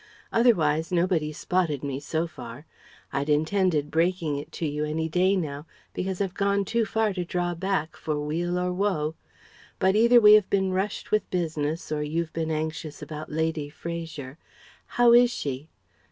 Otherwise, nobody's spotted me, so far. I'd intended breaking it to you any day now, because I've gone too far to draw back, for weal or woe. But either we have been rushed with business, or you've been anxious about Lady Fraser How is she?"